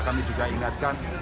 kami juga ingatkan